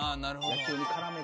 野球に絡める。